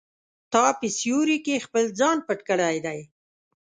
تا په سیوري کې خپل ځان پټ کړی دی.